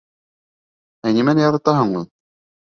Ә нимәне ярата һуң ул?